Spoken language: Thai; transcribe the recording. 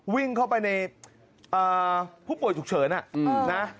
วิ่งเข้าไปในผู้ป่วยฉุกเฉินนะ